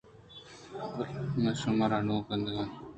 بلئے من شمار انوں گندگ ءَ اوں اے وہدی چہ قلات ءَ پیدا ک اوں